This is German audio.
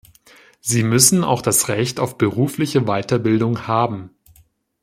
Sie müssen auch das Recht auf berufliche Weiterbildung haben.